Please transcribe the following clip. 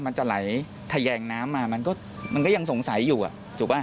มันจะไหลทะแยงน้ำมามันก็ยังสงสัยอยู่ถูกป่ะ